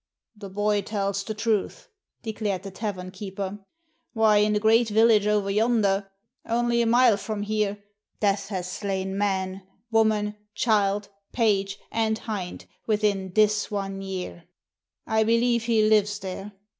"The boy tells the truth," declared the tavern keeper. " Why, in the great village over yonder, only a mile from here. Death has slain man, woman, child, page, and hind within this one year. I believe he lives there.